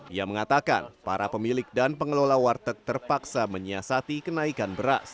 ia mengatakan para pemilik dan pengelola warteg terpaksa menyiasati kenaikan beras